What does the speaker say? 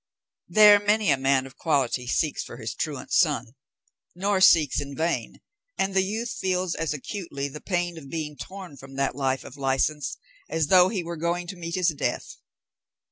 There many a man of quality seeks for his truant son, nor seeks in vain; and the youth feels as acutely the pain of being torn from that life of licence as though he were going to meet his death.